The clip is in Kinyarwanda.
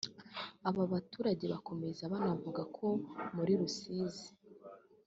Aba baturage bakomeza banavuga ko muri Rusizi